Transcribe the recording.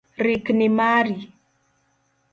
Rikni mari.